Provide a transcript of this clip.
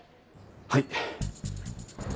はい。